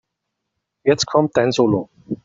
Jetzt kommt dein Solo.